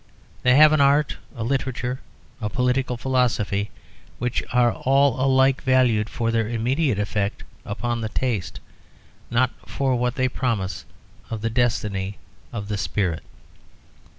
They have an art, a literature, a political philosophy, which are all alike valued for their immediate effect upon the taste, not for what they promise of the destiny of the spirit.